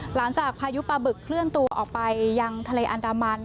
หลังจากพายุปลาบึกเคลื่อนตัวออกไปยังทะเลอันดามัน